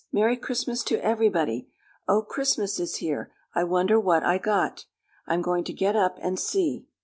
"Merry Christmas to everybody!" "Oh, Christmas is here! I wonder what I got?" "I'm going to get up and see!"